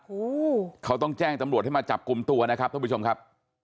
โอ้โหเขาต้องแจ้งตำรวจให้มาจับกลุ่มตัวนะครับท่านผู้ชมครับ